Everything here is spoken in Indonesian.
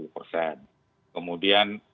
lima puluh persen kemudian